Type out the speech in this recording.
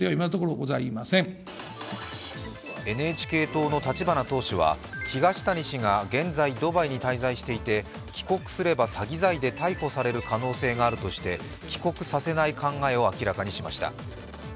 ＮＨＫ党の立花党首は東谷氏が現在、ドバイに滞在していて帰国すれば詐欺罪で逮捕される可能性があるとして、帰国させない考えを明らかにしました。